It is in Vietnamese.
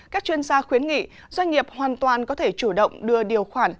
các chuyên gia khuyến nghị doanh nghiệp hoàn toàn có thể chủ động đưa điều khoản